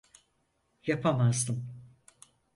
Yapamazdım.